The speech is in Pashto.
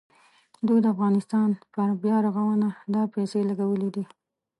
دوی د افغانستان پر بیارغونه دا پیسې لګولې دي.